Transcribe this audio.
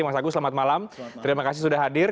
mas agus selamat malam terima kasih sudah hadir